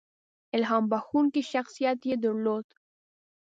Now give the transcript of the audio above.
• الهام بښونکی شخصیت یې درلود.